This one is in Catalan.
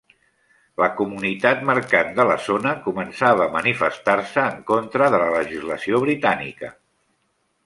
La comunitat mercant de la zona començava a manifestar-se en contra de la legislació britànica.